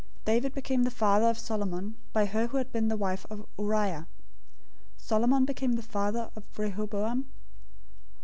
David became the father of Solomon by her who had been the wife of Uriah. 001:007 Solomon became the father of Rehoboam.